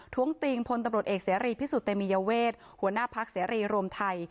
้วงติงพลตำรวจเอกเสรีพิสุทธิเตมียเวทหัวหน้าพักเสรีรวมไทย